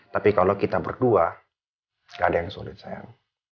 tapi kalau kita berdua tidak ada yang sulit sayang